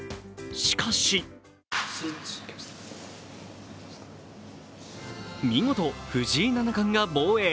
しかし見事、藤井七冠が防衛。